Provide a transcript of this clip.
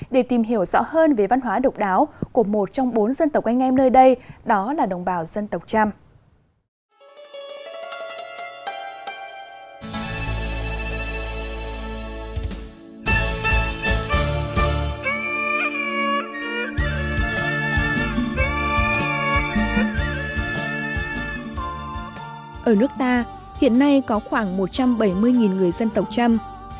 để tìm hiểu rõ hơn về văn hóa độc đáo của một trong bốn dân tộc anh em nơi đây đó là đồng bào dân tộc chăm